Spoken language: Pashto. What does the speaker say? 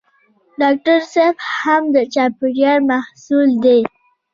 ډاکټر صېب هم د چاپېریال محصول دی.